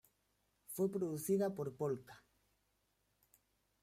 Fue producida por Pol-ka.